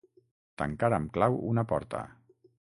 Tancar amb clau una porta.